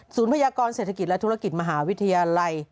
พยากรเศรษฐกิจและธุรกิจมหาวิทยาลัย